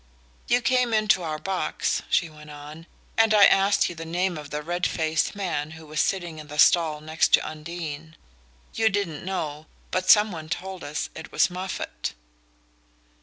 "You came into our box," she went on, "and I asked you the name of the red faced man who was sitting in the stall next to Undine. You didn't know, but some one told us it was Moffatt."